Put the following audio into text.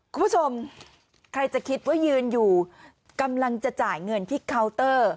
คุณผู้ชมใครจะคิดว่ายืนอยู่กำลังจะจ่ายเงินที่เคาน์เตอร์